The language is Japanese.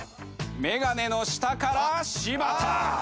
メガネの下から柴田。